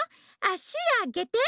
あしあげて！